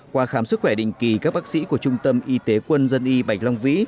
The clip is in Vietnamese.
qua khám sức khỏe định kỳ các bác sĩ của trung tâm y tế quân dân y bạch long vĩ